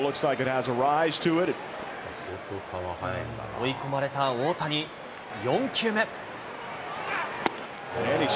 追い込まれた大谷、４球目。